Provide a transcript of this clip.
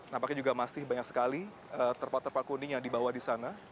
nampaknya juga masih banyak sekali terpal terpal kuning yang dibawa di sana